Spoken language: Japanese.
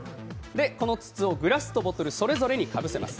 この筒をグラスとボトルそれぞれにかぶせます。